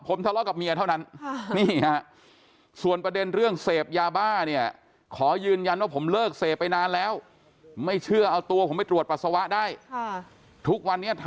ผมทะเลาะกับเมียเท่านั้นนี่ฮะส่วนประเด็นเรื่องเสพยาบ้าเนี่ย